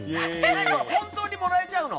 本当にもらえちゃうの？